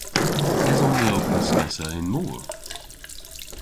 Eson ni ow pyskessa yn mor?